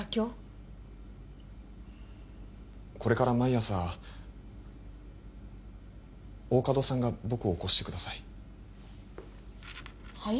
これから毎朝大加戸さんが僕を起こしてくださいはい？